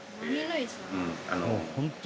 うん。